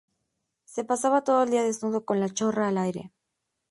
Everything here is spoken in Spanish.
Se pasaba todo el día desnudo con la chorra al aire